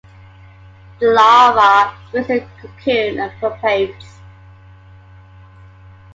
The larva spins a cocoon and pupates.